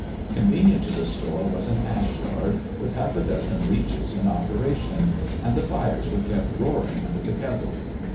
Convenient to the store was an ash yard, with half a dozen leaches in operation, and the fires were kept roaring under the kettles.